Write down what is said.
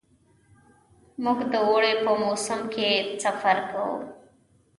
موږ د اوړي په موسم کې سفر کوو.